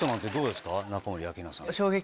中森明菜さん。